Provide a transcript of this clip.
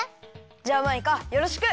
じゃあマイカよろしく。